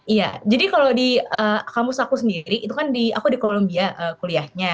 iya jadi kalau di kampus aku sendiri itu kan aku di columbia kuliahnya